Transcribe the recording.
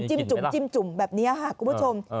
จิ้มแบบนี้คุณผู้ชม